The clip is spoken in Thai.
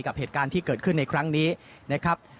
กับเหตุการณ์ที่เกิดขึ้นในครั้งนี้นะครับ